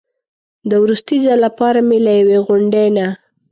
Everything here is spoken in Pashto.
د وروستي ځل لپاره مې له یوې غونډۍ نه.